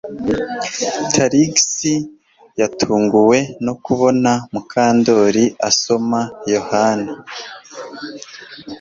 Trix yatunguwe no kubona Mukandoli asoma Yohana